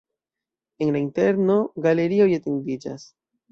En la interno galerioj etendiĝas.